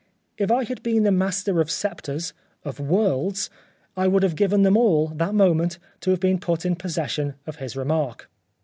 If I had been the master of sceptres — of worlds — I would have given them all that moment to have been put in possession of his remark.